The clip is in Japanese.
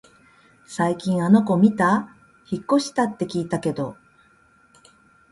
最近あの子みた？引っ越したって聞いたけど